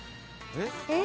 えっ？